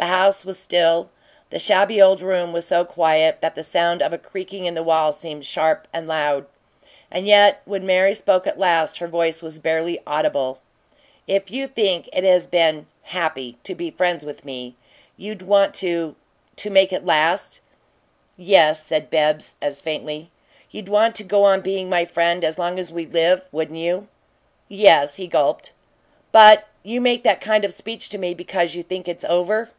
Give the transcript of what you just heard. The house was still; the shabby old room was so quiet that the sound of a creaking in the wall seemed sharp and loud. And yet, when Mary spoke at last, her voice was barely audible. "If you think it has been happy to be friends with me you'd want to to make it last." "Yes," said Bibbs, as faintly. "You'd want to go on being my friend as long as we live, wouldn't you?" "Yes," he gulped. "But you make that kind of speech to me because you think it's over."